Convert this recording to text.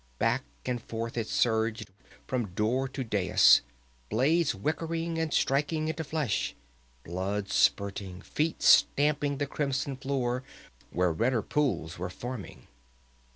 Back and forth it surged, from door to dais, blades whickering and striking into flesh, blood spurting, feet stamping the crimson floor where redder pools were forming.